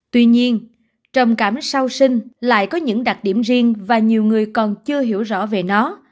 tuy nhiên trầm cảm sau sinh lại có những đặc điểm riêng và nhiều người còn chưa hiểu rõ về nó